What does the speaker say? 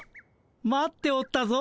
待っておったぞ。